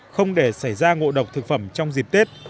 không để xảy ra ngộ độc thực phẩm trong dịp tết